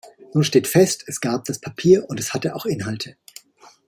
Nun steht fest, es gab das Papier und es hatte auch Inhalte.